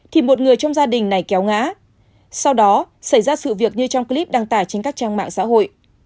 thì một người trong gia đình này kéo ngã sau đó xảy ra sự việc như trong clip đăng tải trên các trang mạng xã hội